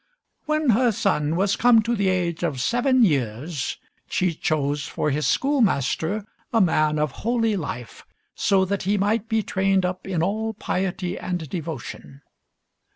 When her son was come to the age of seven years, she chose for his schoolmaster a man of holy life, so that he might be trained up in all piety and devotion.